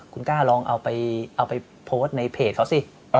คุณกล้าลองเอาไปโพสต์ในเพจเขาสิ